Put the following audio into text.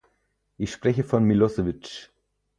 Ich spreche von Milosevic.